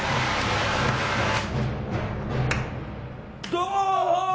「どうもー」